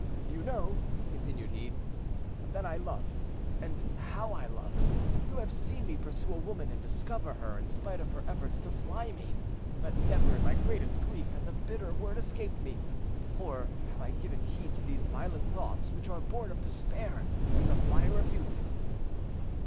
"You know," continued he, "that I love, and how I love; you have seen me pursue a woman and discover her, in spite of her efforts to fly me: but never in my greatest grief has a bitter word escaped me, or have I given heed to those violent thoughts which are born of despair and the fire of youth."